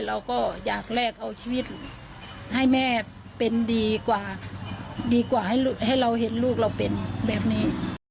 เราก็อยากแลกเอาชีวิตให้แม่เป็นดีกว่าดีกว่าให้เราเห็นลูกเราเป็นแบบนี้